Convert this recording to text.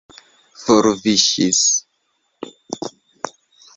forviŝis